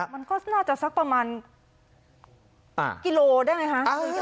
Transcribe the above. มันก็น่าจะสักประมาณกิโลได้ไหมคะ